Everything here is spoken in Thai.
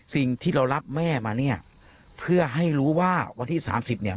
สิ่งที่เรารับแม่มาเนี่ยเพื่อให้รู้ว่าวันที่สามสิบเนี่ย